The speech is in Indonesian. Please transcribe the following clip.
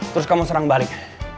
terus kamu serang balik